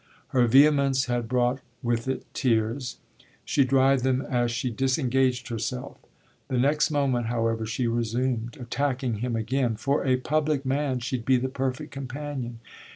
Her vehemence had brought with it tears; she dried them as she disengaged herself. The next moment, however, she resumed, attacking him again: "For a public man she'd be the perfect companion.